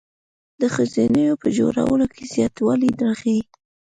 د ښوونځیو په جوړولو کې زیاتوالی راغی.